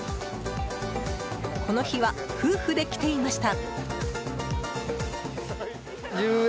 この日は、夫婦で来ていました。